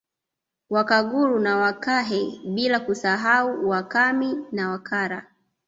Wakaguru na Wakahe bila kusahau Wakami na Wakara